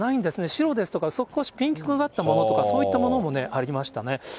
白ですとか、少しピンクがかったものとか、そういったものもありましたね。